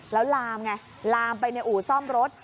แล้วลามไงลามไปในอู่ซ่อมรถ